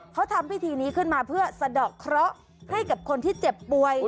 เขาทำพิธีนี้ขึ้นมาเพื่อสะดอกเคราะห์ให้กับคนที่เจ็บป่วย